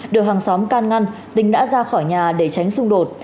được hàng xóm can ngăn tình đã ra khỏi nhà để tránh xung đột